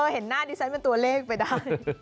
เห็นหน้าดิฉันเป็นตัวเลขไปได้